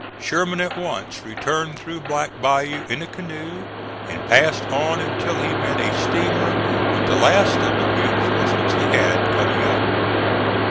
Sherman at once returned through Black Bayou in a canoe, and passed on until he met a steamer, with the last of the reinforcements he had, coming up.